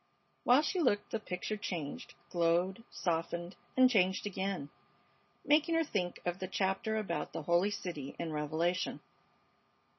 While she looked the picture changed, glowed, softened, and changed again, making her think of the chapter about the Holy City in Revelation.